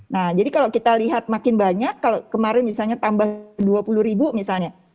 nah jadi kalau kita lihat makin banyak kalau kemarin misalnya tambah dua puluh ribu misalnya